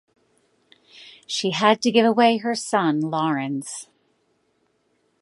She had to give away her son Lorenz.